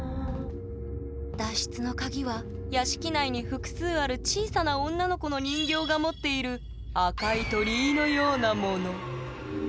脱出の鍵は屋敷内に複数ある小さな女の子の人形が持っている赤い鳥居のようなもの。